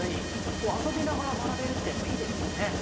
こうあそびながらまなべるってやっぱいいですよね。